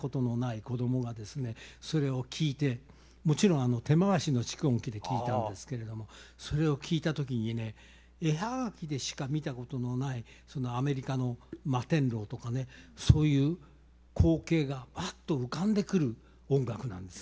それを聴いてもちろん手回しの蓄音機で聴いたんですけれどもそれを聴いた時にね絵葉書でしか見たことのないアメリカの摩天楼とかねそういう光景がワッと浮かんでくる音楽なんですよ。